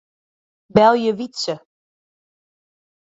Belje Wytse.